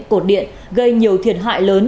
cột điện gây nhiều thiệt hại lớn